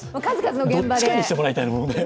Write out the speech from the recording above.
どっちかにしてもらいたいよね、もうね。